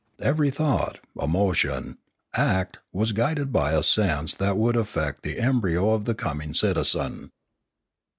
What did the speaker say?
Every thought, emotion, act, was guided by a sense that it would affect the embryo of the coming citizen.